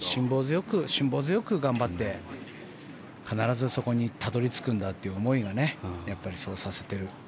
辛抱強く頑張って必ずそこにたどり着くんだという思いがそうさせてる。